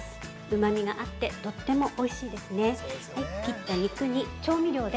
うまみがあってとってもおいしいですね。